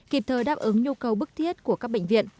kịp thời đáp ứng nhu cầu bức thiết của các bệnh viện